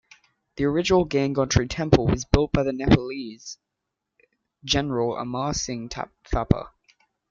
The original Gangotri Temple was built by the Nepalese general Amar Singh Thapa.